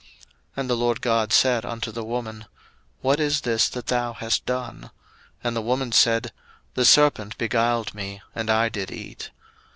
01:003:013 And the LORD God said unto the woman, What is this that thou hast done? And the woman said, The serpent beguiled me, and I did eat.